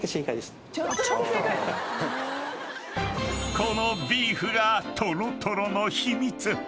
［このビーフがとろとろの秘密］